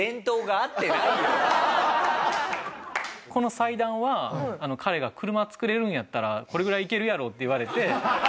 この祭壇は彼が「車作れるんやったらこれぐらいいけるやろ」って言われて。